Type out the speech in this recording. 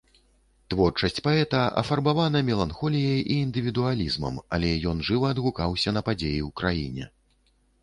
Творчасць паэта афарбавана меланхоліяй і індывідуалізмам, але ён жыва адгукаўся на падзеі ў краіне.